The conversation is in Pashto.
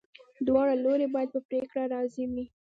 دواړه لوري باید په پریکړه راضي وي.